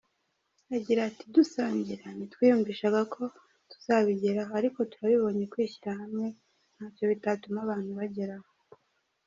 Agira ati “Dutangira ntitwiyumvishaga ko tuzabigeraho ariko turabibonye kwishyira hamwe ntacyo bitatuma abantu bageraho.